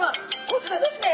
こちらですね。